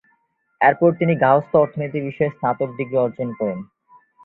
এরপর তিনি গার্হস্থ্য অর্থনীতি বিষয়ে স্নাতক ডিগ্রী অর্জন করেন।